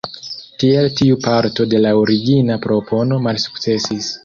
Tiel tiu parto de la origina propono malsukcesis.